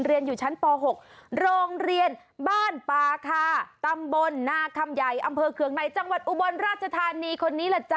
เรียนอยู่ชั้นป๖โรงเรียนบ้านปาคาตำบลนาคำใหญ่อำเภอเคืองในจังหวัดอุบลราชธานีคนนี้แหละจ๊